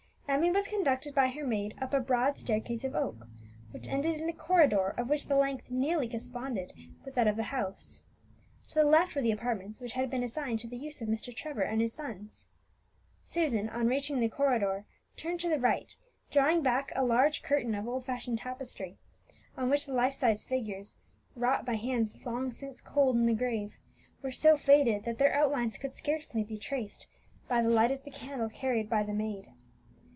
Emmie was conducted by her maid up a broad staircase of oak, which ended in a corridor, of which the length nearly corresponded with that of the house. To the left were the apartments which had been assigned to the use of Mr. Trevor and his sons. Susan, on reaching the corridor, turned to the right, drawing back a large curtain of old fashioned tapestry, on which the life size figures, wrought by hands long since cold in the grave, were so faded that their outlines could scarcely be traced by the light of the candle carried by the maid.